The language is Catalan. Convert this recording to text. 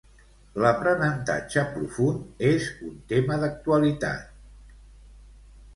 L'aprenentatge profund és un tema d'actualitat.